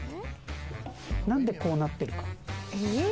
なんでこうなってるか。